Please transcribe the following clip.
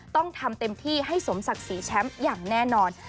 ต้องทำเต็มที่ให้สมศักดิ์ศรีแชมป์อย่างแน่นอน